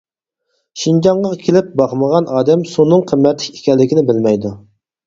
شىنجاڭغا كېلىپ باقمىغان ئادەم سۇنىڭ قىممەتلىك ئىكەنلىكىنى بىلمەيدۇ.